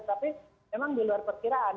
tapi memang di luar perkiraan